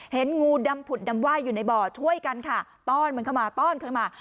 งูดำผุดดำไหว้อยู่ในบ่อช่วยกันค่ะต้อนมันเข้ามาต้อนเข้ามา